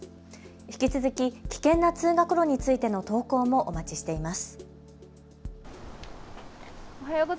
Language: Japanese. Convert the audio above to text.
引き続き危険な通学路についての投稿もお待ちしています。